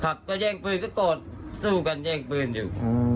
ครับก็แย่งปืนก็โกรธสู้กันแย่งปืนอยู่